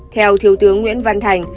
theo thiếu tướng nguyễn văn thành